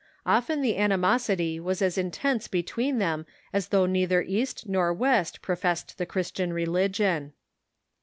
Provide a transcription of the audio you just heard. Often the animosity was as intense between them as though neither East nor West pro fessed the Christian religion.